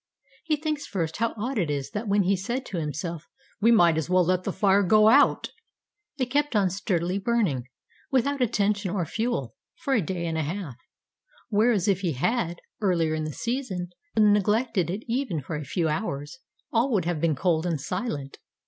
He thinks, first, how odd it is that when he said to himself, "We might as well let the fire go out," it kept on sturdily burning, without attention or fuel, for a day and a half; whereas if he had, earlier in the season, neglected it even for a few hours, all would have been cold and silent.